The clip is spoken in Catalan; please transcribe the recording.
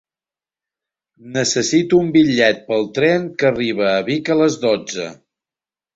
Necessito un bitllet pel tren que arriba a Vic a les dotze.